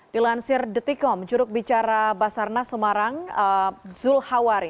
dilansir the t com juruk bicara basarnas semarang zul hawari